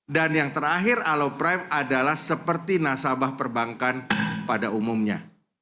dan yang terakhir alo prime adalah seperti nasabah perbankan pada umumnya